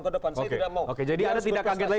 ke depan saya tidak mau oke jadi anda tidak kaget lagi